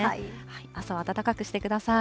朝は暖かくしてください。